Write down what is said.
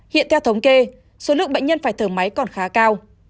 hiện theo thống kê số lượng bệnh nhân phải thở máy còn khá cao